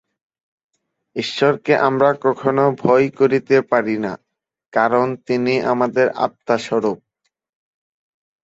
ঈশ্বরকে আমরা কখনও ভয় করিতে পারি না, কারণ তিনি আমাদের আত্মা-স্বরূপ।